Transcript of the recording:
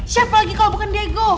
chef lagi kalau bukan diego